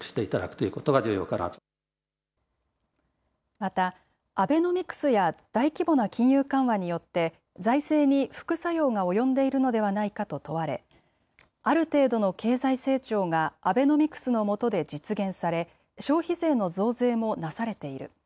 またアベノミクスや大規模な金融緩和によって財政に副作用が及んでいるのではないかと問われある程度の経済成長がアベノミクスのもとで実現され消費税の増税もなされている。